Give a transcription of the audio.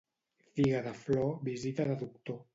Figa de flor, visita de doctor.